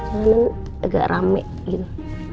jalanan agak rame gitu